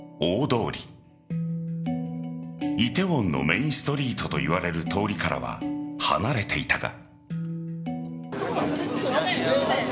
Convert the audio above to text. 梨泰院のメインストリートといわれる通りからは離れていたが。